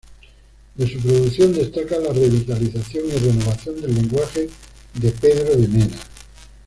De su producción destaca la revitalización y renovación del lenguaje de Pedro de Mena.